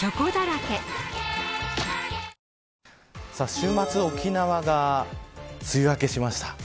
週末、沖縄が梅雨明けしました。